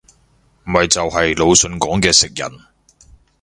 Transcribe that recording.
咪就係魯迅講嘅食人